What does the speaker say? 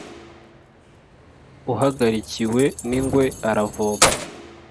Uhagarikiwe n’ingwe aravoma.